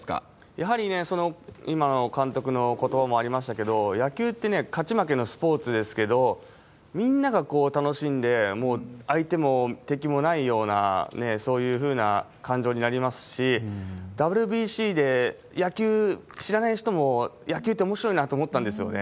やはり、今の監督のことばもありましたけれども、野球って勝ち負けのスポーツですけれども、みんなが楽しんで、もう相手も敵もないような、そういうふうな感情になりますし、ＷＢＣで野球知らない人も、野球っておもしろいなと思ったんですよね。